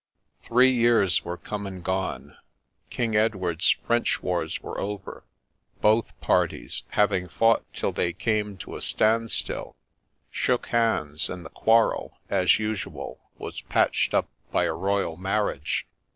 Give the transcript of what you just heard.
Three years were come and gone. King Edward's French wars were over ; both parties, having fought till they came to a standstill, shook hands, and the quarrel, as usual, was patched up by a royal marriage.